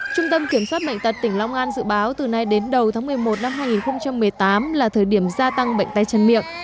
trung tâm kiểm soát bệnh tật tỉnh long an dự báo từ nay đến đầu tháng một mươi một năm hai nghìn một mươi tám là thời điểm gia tăng bệnh tay chân miệng